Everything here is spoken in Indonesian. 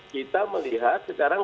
kita melihat sekarang